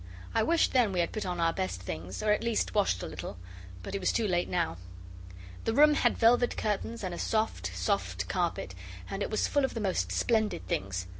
I wished then we had put on our best things, or at least washed a little. But it was too late now. The room had velvet curtains and a soft, soft carpet, and it was full of the most splendid things.